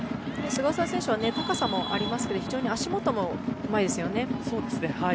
菅澤選手は高さもありますけど非常に足元もうまいですよね。